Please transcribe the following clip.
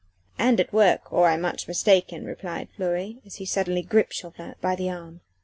"And at work or I'm much mistaken," replied Fleury as he suddenly gripped Chauvelin by the arm.